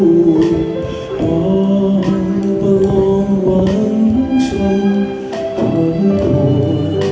ห่วงประโลกหวังช่วงความห่วง